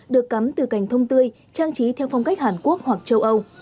được cắm từ cành thông tươi trang trí theo phong cách hàn quốc hoặc châu âu